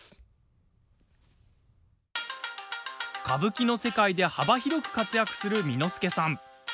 歌舞伎の世界で幅広く活躍する巳之助さん。